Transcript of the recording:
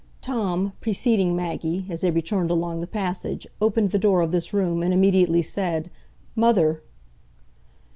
Tom, preceding Maggie, as they returned along the passage, opened the door of this room, and immediately said, "Mother!"